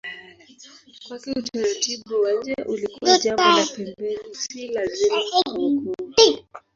Kwake utaratibu wa nje ulikuwa jambo la pembeni, si lazima kwa wokovu.